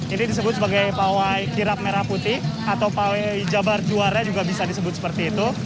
ini disebut sebagai pawai kirap merah putih atau pawai jabar juara juga bisa disebut seperti itu